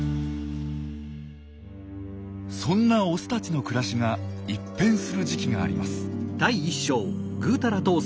そんなオスたちの暮らしが一変する時期があります。